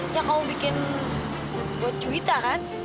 yang kamu bikin buat cuyita kan